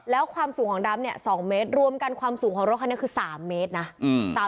แล้วความสูงของดำเนี่ย๒เมตรรวมกันความสูงของรถคันนี้คือ๓เมตรนะ